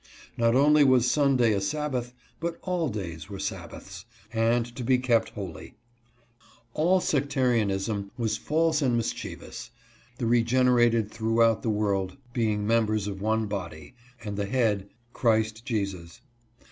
Not only was Sunday a Sabbath, but all days were Sabbaths, and to be kept holy. All sectarianism was false and mischievous — the regenerated throughout the world being members of one body, and the head Christ Jesus.